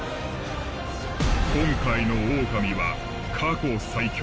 今回のオオカミは過去最強。